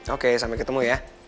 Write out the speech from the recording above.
oke sampai ketemu ya